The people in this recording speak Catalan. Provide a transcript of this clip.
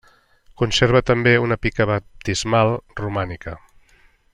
Conserva també una pica baptismal romànica.